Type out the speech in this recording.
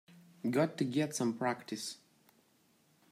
Got to get some practice.